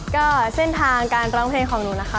ก็เส้นทางการร้องเพลงของหนูนะคะ